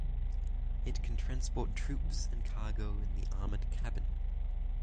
It can transport troops and cargo in the armored cabin.